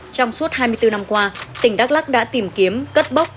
trong suốt hai mươi bốn năm qua tỉnh đắk lắc đã tìm kiếm cất bốc